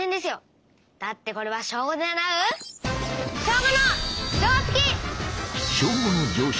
だってこれは小５で習う「小５の常識！」